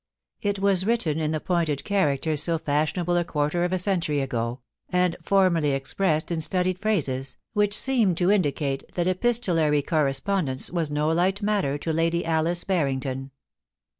It was written in the pointed characters so fashionable a quarter of a century ago, and formally expressed in studied phrases, which seemed to indicate that epistolary correspondence was no light matter to Lady Alice Bar rington.